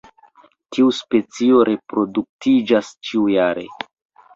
Tiu specio reproduktiĝas ĉiujare.